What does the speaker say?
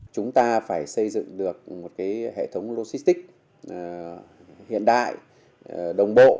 chúng ta phải xây dựng được một hệ thống logistic hiện đại đồng bộ